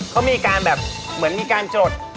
ก็มีการแบบเหมือนมีการโจทย์